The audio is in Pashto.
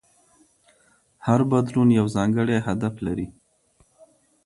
هر بدلون یو ځانګړی هدف لري.